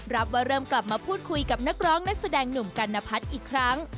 รับว่าเริ่มกลับมาพูดคุยกับนักร้องนักแสดงหนุ่มกัณพัฒน์อีกครั้ง